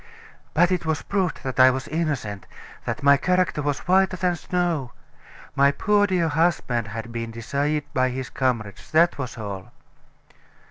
"But it was proved that I was innocent, that my character was whiter than snow. My poor, dear husband had been deceived by his comrades; that was all."